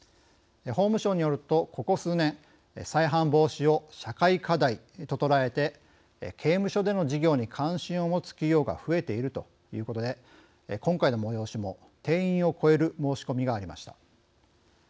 法務省によるとここ数年再犯防止を社会課題と捉えて刑務所での事業に関心を持つ企業が増えているということで今回の催しも定員を超える申し込みがありました。